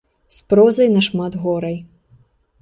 З прозай нашмат горай.